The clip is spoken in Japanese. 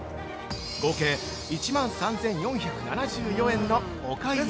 合計１万３４７４円のお買い上げ。